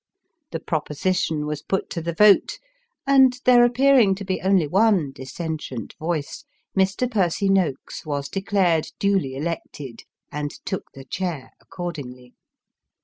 The proposition was put to the vote, and there appearing to be only one dissentient voice, Mr. Percy Noakes was declared duly elected, and took the chair accordingly.